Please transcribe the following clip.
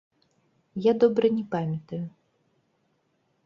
Я добра не памятаю.